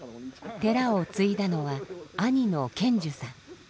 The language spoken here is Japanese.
寺を継いだのは兄の顕寿さん。